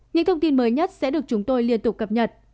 những thông tin mới nhất sẽ được chúng tôi liên tục cập nhật